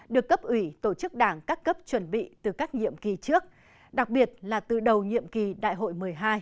được cấp ủy tổ chức đảng các cấp chuẩn bị từ các nhiệm kỳ trước đặc biệt là từ đầu nhiệm kỳ đại hội một mươi hai